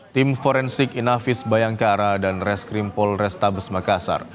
tim forensik inavis bayangkara dan reskrim polrestabes makassar